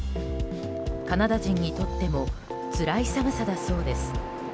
カナダ人にとってもつらい寒さだそうです。